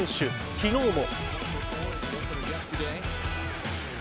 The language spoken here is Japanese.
昨日も。